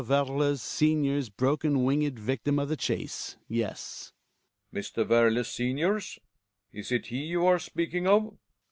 Werle senior's broken winged victim of the chase, yes. Belling. Mr. Werle senior's? Is it he you are speaking of